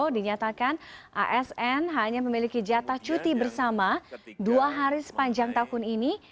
dinyatakan asn hanya memiliki jatah cuti bersama dua hari sepanjang tahun ini